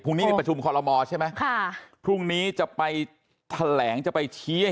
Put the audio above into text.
พรุ่งนี้ประชุมคอลโลมอร์ใช่ไหมพรุ่งนี้จะไปแถลงจะไปเชี้ย